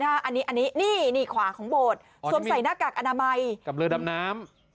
อันนี้อันนี้นี่นี่ขวาของโบสต์สวมใส่หน้ากากอนามัยกับเรือดำน้ำน้ำ